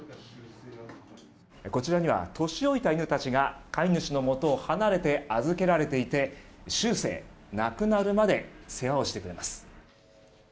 こちらには年老いた犬たちが飼い主のもとを離れて預けられていて終生、亡くなるまで世話をしてくれます。